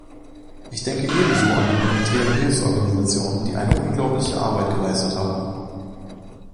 Ich denke ebenso an die humanitären Hilfsorganisationen, die eine unglaubliche Arbeit geleistet haben.